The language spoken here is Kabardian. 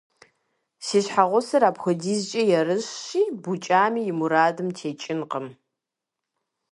Си щхьэгъусэр апхуэдизкӏэ ерыщщи, букӀами и мурадым текӀынкъым.